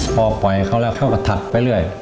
พอปล่อยเขาแล้วเขาก็ถัดไปเรื่อย